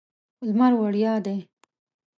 لمر وړیا دی.